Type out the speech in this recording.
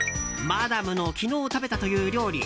マダムの昨日食べたという料理。